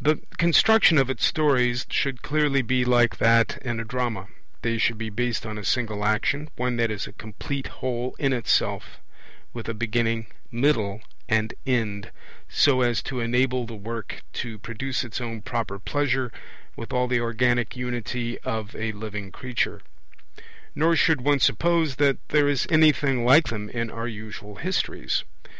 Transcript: The construction of its stories should clearly be like that in a drama; they should be based on a single action, one that is a complete whole in itself, with a beginning, middle, and end, so as to enable the work to produce its own proper pleasure with all the organic unity of a living creature. Nor should one suppose that there is anything like them in our usual histories.